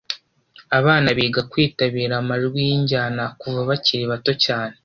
Abana biga kwitabira amajwi yinjyana kuva bakiri bato cyane.